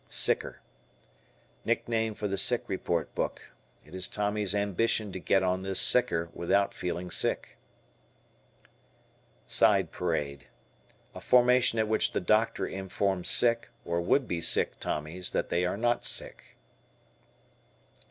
"Sicker." Nickname for the sick report book. It is Tommy's ambition to get on this "sicker" without feeling sick. Side Parade. A formation at which the doctor informs sick, or would be sick Tommies that they are not sick.